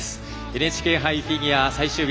ＮＨＫ杯フィギュア最終日。